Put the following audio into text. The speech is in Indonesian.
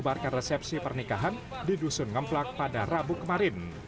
peristiwa ini terjadi rabu lalu